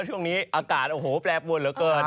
ช่วงนี้อากาศแปรบวนเหลือเกิน